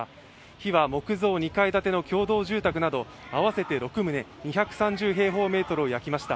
火は木造２階建ての共同住宅など合わせて６棟２３０平方メートルを焼きました。